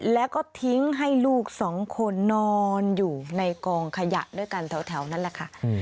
แล้วก็ทิ้งให้ลูกสองคนนอนอยู่ในกองขยะด้วยกันแถวนั้นแหละค่ะ